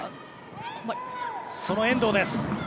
その遠藤です。